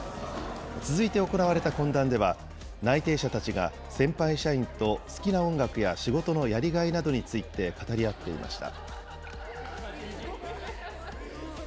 続いて行われた懇談では、内定者たちが先輩社員と好きな音楽や仕事のやりがいなどについて語り合っていました。